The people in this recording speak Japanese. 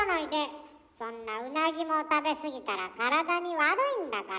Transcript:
そんなうなぎも食べすぎたら体に悪いんだから。